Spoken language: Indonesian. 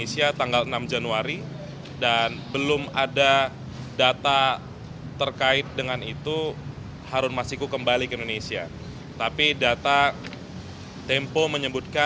saya kira tidak